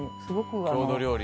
郷土料理。